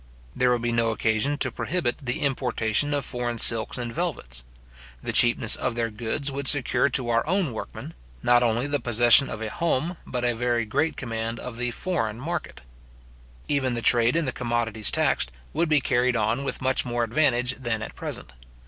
There would be no occasion to prohibit the importation of foreign silks and velvets. The cheapness of their goods would secure to our own workmen, not only the possession of a home, but a very great command of the foreign market. Even the trade in the commodities taxed, would be carried on with much more advantage than at present.